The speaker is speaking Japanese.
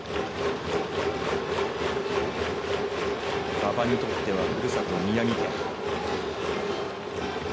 馬場にとってはふるさと、宮城県。